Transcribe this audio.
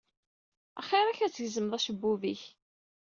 Axiṛ-ak ad tgezmeḍ acebbub-ik.